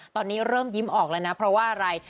ตอนนี้เริ่มยิ้มออกแล้วนะเพราะว่าอะไร